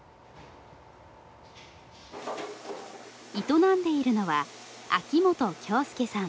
営んでいるのは秋元郷佑さん